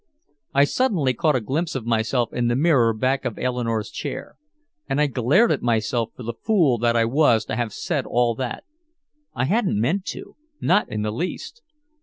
I suddenly caught a glimpse of myself in the mirror back of Eleanore's chair. And I glared at myself for the fool that I was to have said all that. I hadn't meant to not in the least!